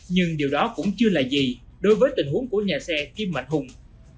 nhưng điều đó cũng chưa là gì đối với tình huống của nhà xe kim mạnh hùng